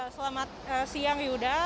selamat siang yuda